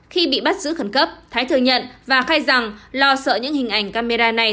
khi bị bắt giữ khẩn cấp thái thừa nhận và khai rằng lo sợ những hình ảnh camera này